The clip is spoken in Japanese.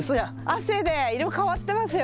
汗で色変わってますよ。